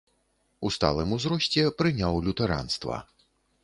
У сталым узросце прыняў лютэранства.